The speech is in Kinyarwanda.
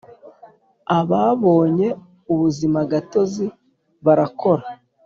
Ababonye ubuzimagatozi barakora